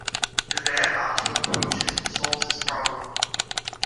There are two approaches to solve this problem.